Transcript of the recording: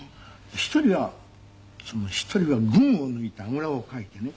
一人は一人は群を抜いてあぐらをかいてね